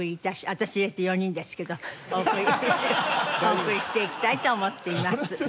私入れて４人ですけどお送りしていきたいと思っています。